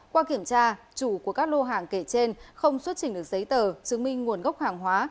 qua kiểm tra chủ của các lô hàng kể trên không xuất trình được giấy tờ chứng minh nguồn gốc hàng hóa